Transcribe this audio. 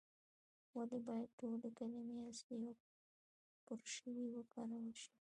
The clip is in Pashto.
ولې باید ټولې کلمې اصلي او پورشوي وکارول شي؟